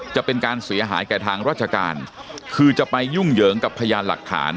จะเป็นการเสียหายแก่ทางราชการคือจะไปยุ่งเหยิงกับพยานหลักฐาน